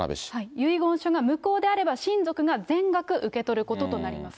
遺言書が無効であれば、親族が全額受け取ることとなります。